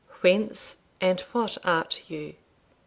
Whence, and what art you?